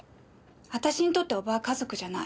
私にとって叔母は家族じゃない。